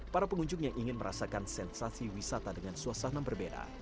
para pengunjung yang ingin merasakan sensasi wisata dengan suasana berbeda